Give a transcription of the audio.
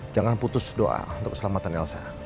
jangan putus doa untuk keselamatan elsa